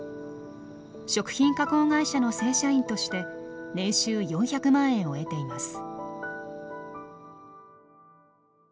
食品加工会社の正社員として年収４００万円を得ています。